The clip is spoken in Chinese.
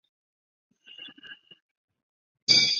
短序落葵薯为落葵科落葵薯属的植物。